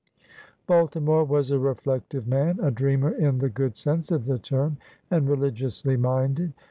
Baltimore was a reflective man, a dreamer in the good sense of the term, and religiously minded.